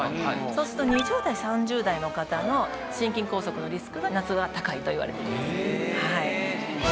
そうすると２０代３０代の方の心筋梗塞のリスクが夏場は高いといわれています。